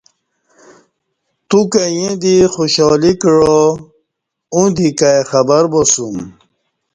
توکہ ییں دی خوشحا لی کعا اوں دی کائی خبرباسوم